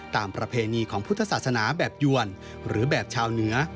ประเพณีของพุทธศาสนาแบบยวนหรือแบบชาวเหนือ